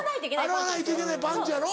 洗わないといけないパンツやろ。